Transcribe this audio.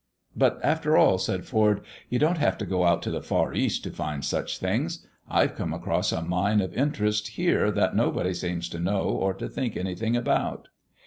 "But, after all," said Foord, "you don't have to go out to the far East to find such things. I've come across a mine of interest here that nobody seems to know or to think anything about.